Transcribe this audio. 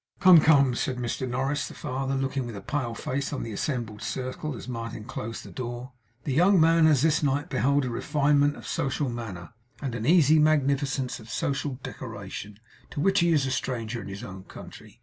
'Come, come,' said Mr Norris the father, looking with a pale face on the assembled circle as Martin closed the door, 'the young man has this night beheld a refinement of social manner, and an easy magnificence of social decoration, to which he is a stranger in his own country.